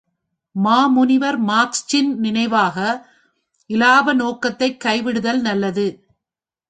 மாமுனிவர் மார்க்சின் நினைவாக இலாப நோக்கத்தை கைவிடுதல் நல்லது.